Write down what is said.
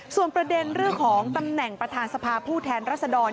ส่วนประเด็นเรื่องของตำแหน่งประธานสภาผู้แทนรัศดร